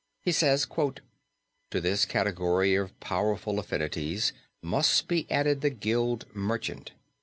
He says: "To this category of powerful affinities must be added the Gild Merchant.